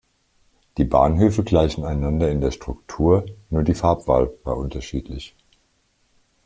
Die Bahnhöfe gleichen einander in der Struktur, nur die Farbwahl war unterschiedlich.